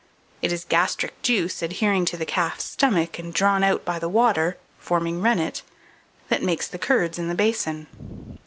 It is gastric juice, adhering to the calf's stomach, and drawn out by the water, forming rennet, that makes the curds in the basin.